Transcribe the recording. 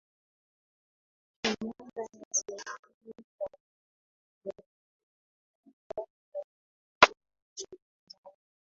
minada ya serikali inatangazwa na benki kuu ya tanzania